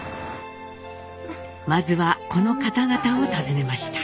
まずはこの方々を訪ねました。